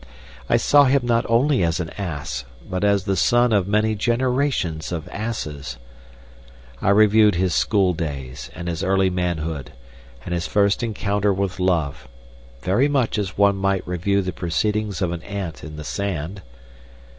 I saw him not only as an ass, but as the son of many generations of asses. I reviewed his school days and his early manhood, and his first encounter with love, very much as one might review the proceedings of an ant in the sand.